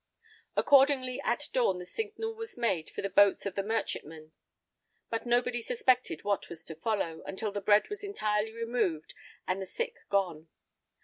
Accordingly at dawn, the signal was made for the boats of the merchantmen, but nobody suspected what was to follow, until the bread was entirely removed and the sick gone.